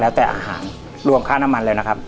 แล้วแต่อาหารรวมค่าน้ำมันเลยนะครับ